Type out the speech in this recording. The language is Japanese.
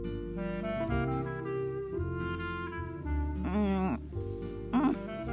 うんうん。